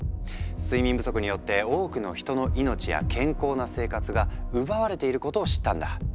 睡眠不足によって多くの人の命や健康な生活が奪われていることを知ったんだ。